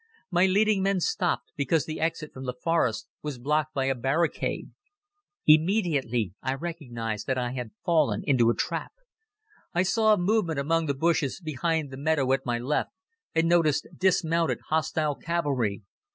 My leading men stopped because the exit from the forest was blocked by a barricade. Immediately I recognized that I had fallen into a trap. I saw a movement among the bushes behind the meadow at my left and noticed dismounted hostile cavalry.